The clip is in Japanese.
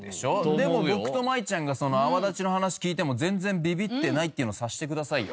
でも僕と麻衣ちゃんが泡立ちの話聞いても全然ビビってないっていうの察してくださいよ。